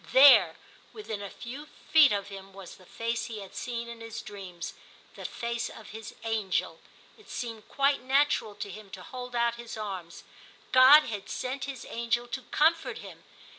There within a few feet of him was the face he had seen in his dreams, the face of his * angel/ It seemed quite natural to him to hold out his arms ; God had sent his angel to comfort him.